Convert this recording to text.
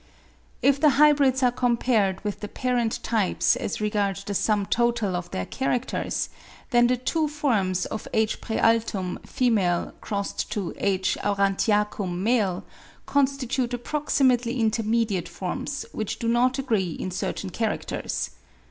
If the hybrids are compared with the parent types as regards the sum total of their characters, then the two forms of H. praealtum $ x H. aurantiacum $ constitute approximately intermediate forms which do not agree in certain characters.